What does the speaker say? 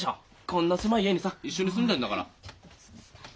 こんな狭い家にさ一緒に住んでんだから。